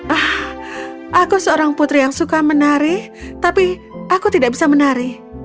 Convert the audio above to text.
ah aku seorang putri yang suka menari tapi aku tidak bisa menari